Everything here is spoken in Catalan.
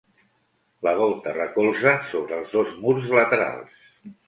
La volta recolza sobre els dos murs laterals.